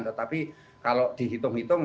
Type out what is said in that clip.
tetapi kalau dihitung hitung